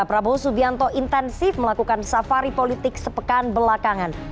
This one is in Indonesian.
prabowo subianto intensif melakukan safari politik sepekan belakangan